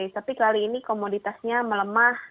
tapi kali ini komoditasnya melemah